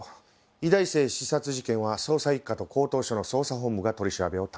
医大生刺殺事件は捜査一課と江東署の捜査本部が取り調べを担当します。